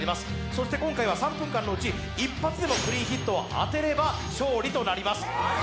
そして今回は３分間のうち１発でもクリーンヒットを当てれば勝利となります。